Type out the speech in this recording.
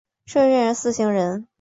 授行人司行人。